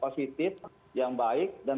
positif yang baik dan